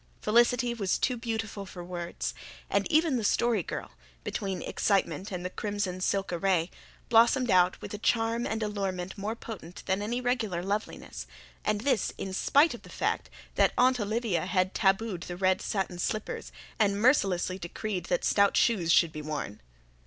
Felicity was too beautiful for words; and even the Story Girl, between excitement and the crimson silk array, blossomed out with a charm and allurement more potent than any regular loveliness and this in spite of the fact that Aunt Olivia had tabooed the red satin slippers and mercilessly decreed that stout shoes should be worn.